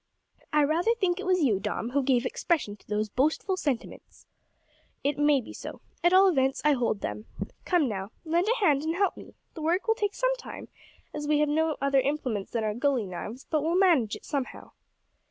"I rather think it was you, Dom, who gave expression to those boastful sentiments." "It may be so. At all events I hold them. Come, now, lend a hand and help me. The work will take some time, as we have no other implements than our gully knives, but we'll manage it somehow."